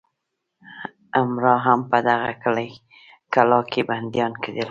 امرا هم په دغه کلا کې بندیان کېدل.